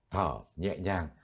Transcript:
thở nhẹ nhàng